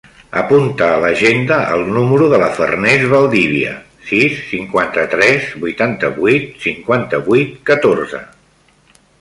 Apunta a l'agenda el número de la Farners Valdivia: sis, cinquanta-tres, vuitanta-vuit, cinquanta-vuit, catorze.